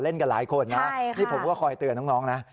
กับหลายคนนะนี่ผมก็คอยเตือนน้องนะ